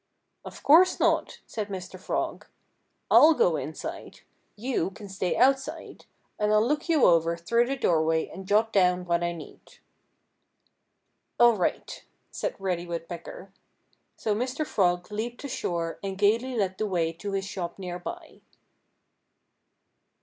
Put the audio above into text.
"Of course not!" said Mr. Frog. "I'll go inside. You can stay outside. And I'll look you over through the doorway and jot down what I need." "All right!" said Reddy Woodpecker. So Mr. Frog leaped ashore and gayly led the way to his shop near by.